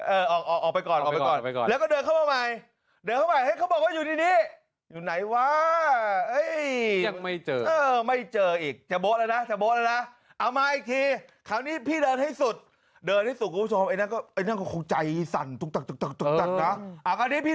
เออออกไปก่อนออกไปก่อนแล้วก็เดินเข้ามาใหม่เดินเข้ามาให้เค้าบอกว่าอยู่ในนี้